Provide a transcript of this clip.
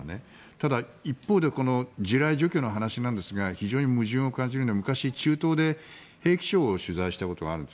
ただ、一方で地雷除去の話なんですが非常に矛盾を感じるのは昔、中東で兵器ショーを取材したことがあるんです。